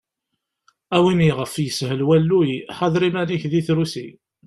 A win ɣef yeshel walluy, ḥader iman-ik di trusi!